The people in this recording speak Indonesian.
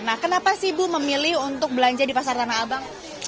nah kenapa sih bu memilih untuk belanja di pasar tanah abang